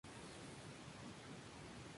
Vive en Nueva Jersey con su esposa e hijos.